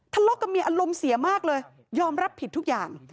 ทะเลาะกับเมียอารมณ์เสียมากเลยยอมรับผิดทุกอย่าง